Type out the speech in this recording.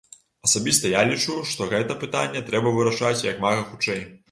Асабіста я лічу, што гэта пытанне трэба вырашаць як мага хутчэй.